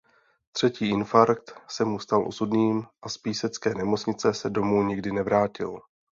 Třetí infarkt se mu stal osudným a z písecké nemocnice se domů nikdy nevrátil.